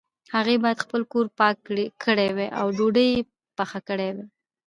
هغې باید خپل کور پاک کړی وای او ډوډۍ یې پخې کړي وای